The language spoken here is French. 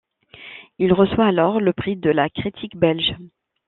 Il reçoit alors le prix de la Critique belge.